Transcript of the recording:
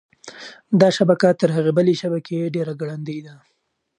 دا شبکه تر هغې بلې شبکې ډېره ګړندۍ ده.